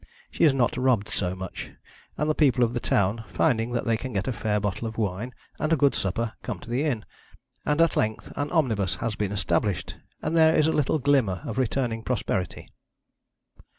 She is not robbed so much, and the people of the town, finding that they can get a fair bottle of wine and a good supper, come to the inn; and at length an omnibus has been established, and there is a little glimmer of returning prosperity.